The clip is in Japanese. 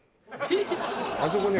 あそこね